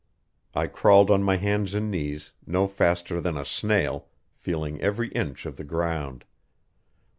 I crawled on my hands and knees, no faster than a snail, feeling every inch of the ground.